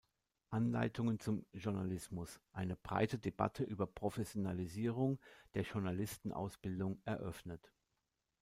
Anleitungen zum Journalismus" eine breite Debatte über Professionalisierung der Journalistenausbildung eröffnet.